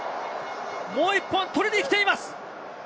もう１本取りに来ています。